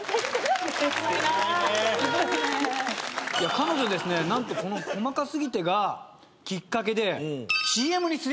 彼女ですね何とこの『細かすぎて』がきっかけでＣＭに出演。